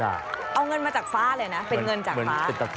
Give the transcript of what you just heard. เอาเงินมาจากฟ้าเลยนะเป็นเงินจากฟ้า